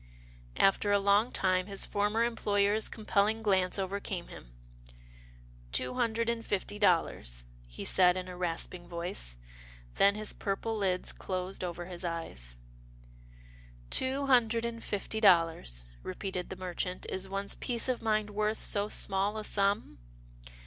After a long time, his former employer's com pelling glance overcame him. " Two hundred and fifty dollars," he said in a rasping voice, then his purple lids closed over his eyes. 90 'TILDA JANE'S ORPHANS " Two hundred and fifty dollars," repeated the merchant, " is one's peace of mind worth so small a sum?